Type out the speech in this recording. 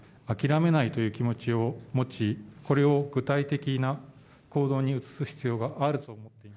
諦めないという気持ちを持ち、これを具体的な行動に移す必要があると。